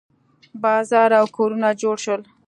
بازار او کورونه جوړ شول.